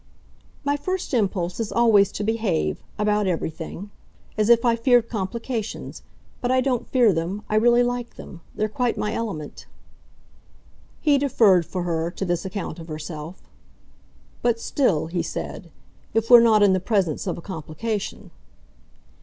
"My first impulse is always to behave, about everything, as if I feared complications. But I don't fear them I really like them. They're quite my element." He deferred, for her, to this account of herself. "But still," he said, "if we're not in the presence of a complication."